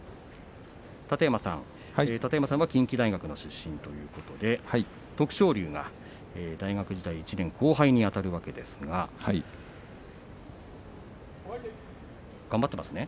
楯山さん、近畿大学の出身ということで徳勝龍が大学時代１年後輩にあたるわけですが頑張っていますね。